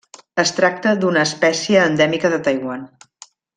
Es tracta d'una espècie endèmica de Taiwan.